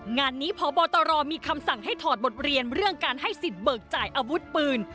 งานนี้พบตรมีคำสั่งให้ถอดบทเรียนเรื่องการให้สิทธิ์เบิกจ่ายอาวุธปืน